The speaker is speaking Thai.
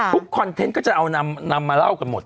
ทุกคออนเทนต์ก็จะนำมาเล่ากันหมด